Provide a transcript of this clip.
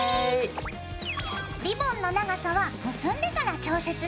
リボンの長さは結んでから調節してね。